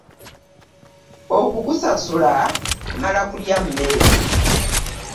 Okukusasula mmala kulya mmere.